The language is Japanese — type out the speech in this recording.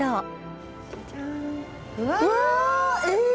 うわ！え！